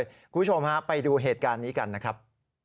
คุณผู้ชมฮะไปดูเหตุการณ์นี้กันนะครับ